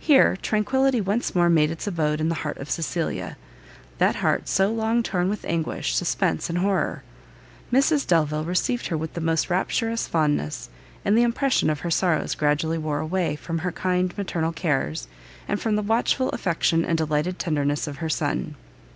Here tranquility once more made its abode the heart of Cecilia; that heart so long torn with anguish, suspense and horrour! Mrs Delvile received her with the most rapturous fondness, and the impression of her sorrows gradually wore away, from her kind and maternal cares, and from the watchful affection and delighted tenderness of her son.